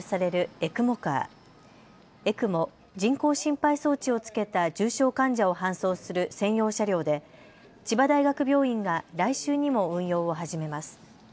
ＥＣＭＯ・人工心肺装置をつけた重症患者を搬送する専用車両で千葉大学病院が来週にも運用を始めます。